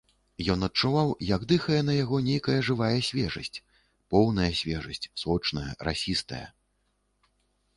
Ён адчуваў, як дыхае на яго нейкая жывая свежасць, поўная свежасць, сочная, расістая.